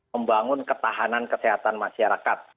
membangun ketahanan kesehatan masyarakat